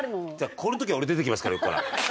これの時は俺出てきますから横から。